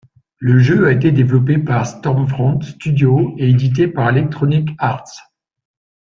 Le jeu a été développé par Stormfront Studios et édité par Electronic Arts.